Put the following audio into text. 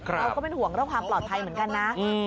เราก็เป็นห่วงเรื่องความปลอดภัยเหมือนกันนะ